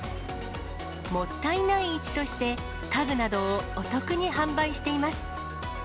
もったいない市として、家具などをお得に販売しています。